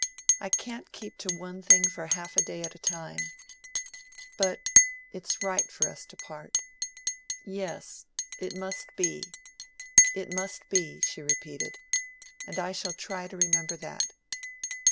I can't keep to one thing for half a day at a time. But it's right for us to part yes, it must be. It must be," she repeated; "and I shall try to remember that.